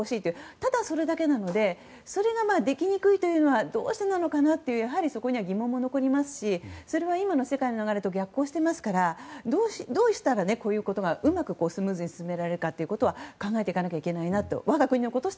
ただそれだけなのでそれができにくいというのはどうしてなのかなとやはりそこには疑問が残りますしそれは今の世界の流れと逆行しているので、どうしたらこういうことがスムーズに進められるかということは考えていかないといけないと思います。